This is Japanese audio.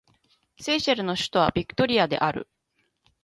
セーシェルの首都はビクトリアである